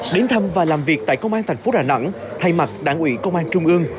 đến thăm và làm việc tại công an tp đà nẵng thay mặt đảng ủy công an trung ương